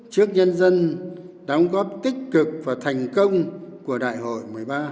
trước nhân dân đóng góp tích cực và thành công của đại hội một mươi ba